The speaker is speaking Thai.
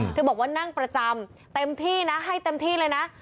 บอกว่านั่งประจำเต็มที่นะให้เต็มที่เลยนะ